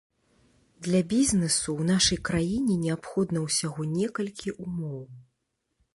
Для бізнэсу ў нашай краіне неабходна ўсяго некалькі умоў.